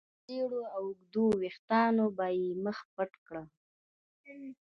زېړو اوږدو وېښتانو به يې مخ پټ کړ.